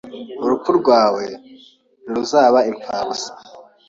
Urupfu rwawe ntiruzaba impfabusa.